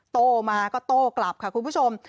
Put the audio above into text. โต้มาก็โต้กลับค่ะคุณผู้ชม